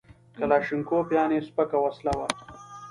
کلاشینکوف یعنې سپکه وسله وه